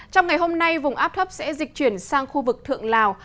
trong ngày hôm nay vùng áp thấp sẽ dịch chuyển sang khu vực thượng lào